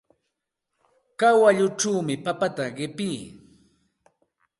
Kawalluchawmi papata qipii.